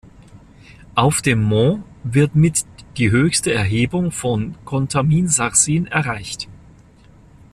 Auf dem Mont wird mit die höchste Erhebung von Contamine-Sarzin erreicht.